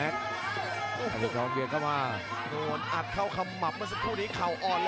แต่พยายามจะตรากหน้า